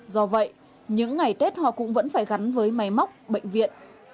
do vậy những ngày tết họ cũng vẫn phải gắn với máy móc bệnh viện